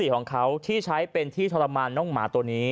ของเขาที่ใช้เป็นที่ทรมานน้องหมาตัวนี้